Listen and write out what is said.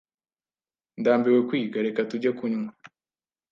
Ndambiwe kwiga. Reka tujye kunywa.